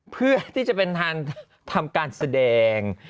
เพื่อที่จะเป็นทางทำการแสดง